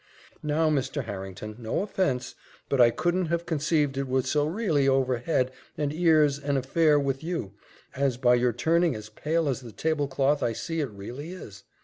"Now, Mr. Harrington no offence but I couldn't have conceived it was so re'lly over head and ears an affair with you, as by your turning as pale as the table cloth I see it re'lly is.